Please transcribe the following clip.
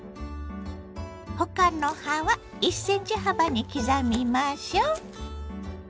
他の葉は１ｃｍ幅に刻みましょ。